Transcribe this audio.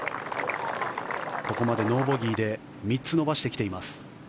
ここまでノーボギーで３つ伸ばしてきています。